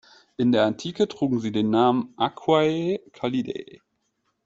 In der Antike trugen sie den Namen Aquae Calidae.